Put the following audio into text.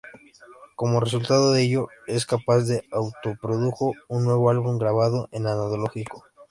Como resultado de ello, es capaz de auto-produjo un nuevo álbum grabado en analógico.